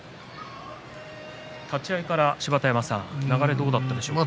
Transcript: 立ち合いから、芝田山さん流れはどうだったでしょうか？